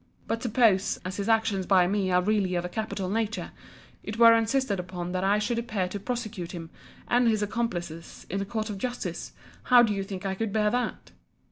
But suppose, as his actions by me are really of a capital nature, it were insisted upon that I should appear to prosecute him and his accomplices in a court of justice, how do you think I could bear that?